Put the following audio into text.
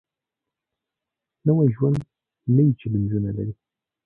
نوی ژوند نوې چیلنجونه لري